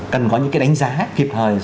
cần có những cái đánh giá kịp thời